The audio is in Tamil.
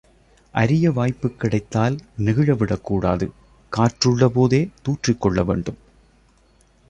அரிய வாய்ப்புக் கிடைத்தால் நெகிழவிடக்கூடாது காற்றுள்ள போதே தூற்றிக்கொள்ள வேண்டும்.